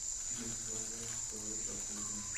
This was a historic occasion.